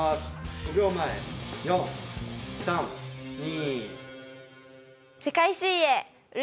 ５秒前、４、３、２。